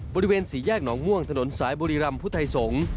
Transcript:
บริเวณสี่แยกหนองม่วงถนนสายบุรีรำพุทธไทยสงศ์